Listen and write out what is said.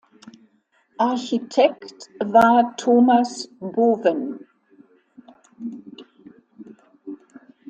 Architekt war "Thomas Bowen".